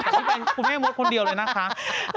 ไม่ใช่คุณแม่มดคนเดียวเลยนะครับ